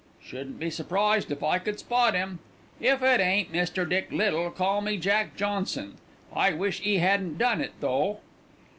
Shouldn't be surprised if I could spot 'im. If it ain't Mr. Dick Little call me Jack Johnson. I wish 'e 'adn't done it, though."